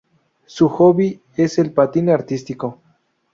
Su hobby es el patín artístico.